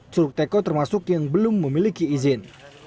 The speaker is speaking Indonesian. curug teko termasuk yang belum memiliki izin